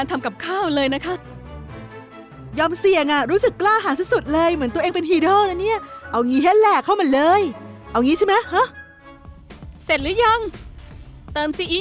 ตอนทอดนะเธอทอดได้ดีเนาะมันดูฟู